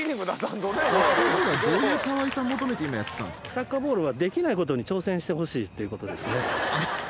サッカーボールはできないことに挑戦してほしいっていうことですね。